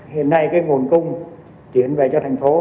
hiện nay nguồn cung chuyển về cho thành phố